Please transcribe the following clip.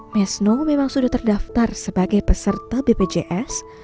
mesno memang sudah terdaftar sebagai peserta bpjs